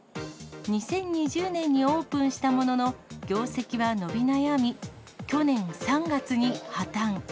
２０２０年にオープンしたものの、業績は伸び悩み、去年３月に破綻。